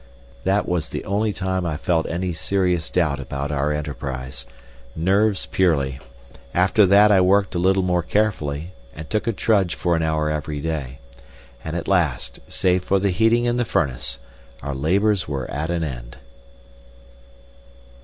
That was the only time I felt any serious doubt our enterprise. Nerves purely! After that I worked a little more carefully, and took a trudge for an hour every day. And at last, save for the heating in the furnace, our labours were at an end.